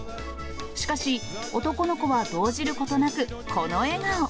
しかし、男の子は動じることなく、この笑顔。